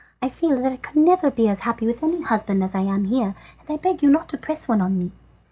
I feel that I could never be as happy with any husband as I am here, and I beg you not to press one on me."